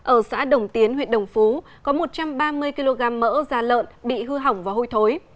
ở xã đồng tiến huyện đồng phú có một trăm ba mươi kg mỡ da lợn bị hư hỏng và hôi thối